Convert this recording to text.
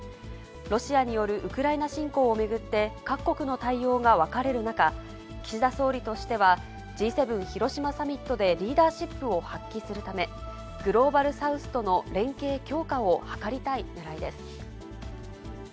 ロシアによるウクライナ侵攻を巡って、各国の対応が分かれる中、岸田総理としては、Ｇ７広島サミットでリーダーシップを発揮するため、グローバルサウスとの連携強化を図りたいねらいです。